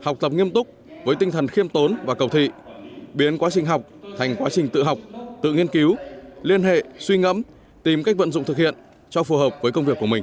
học tập nghiêm túc với tinh thần khiêm tốn và cầu thị biến quá trình học thành quá trình tự học tự nghiên cứu liên hệ suy ngẫm tìm cách vận dụng thực hiện cho phù hợp với công việc của mình